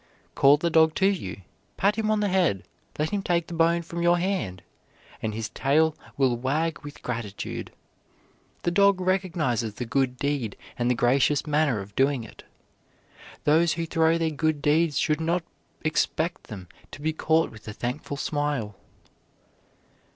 Call the dog to you, pat him on the head, let him take the bone from your hand, and his tail will wag with gratitude. The dog recognizes the good deed and the gracious manner of doing it. Those who throw their good deeds should not expect them to be caught with a thankful smile.